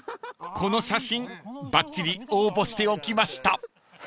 ［この写真ばっちり応募しておきました］